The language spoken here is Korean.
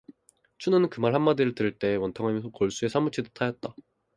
춘우는 그 말 한 마디를 들을 때에 원통함이 골수에 사무치는 듯 하였다.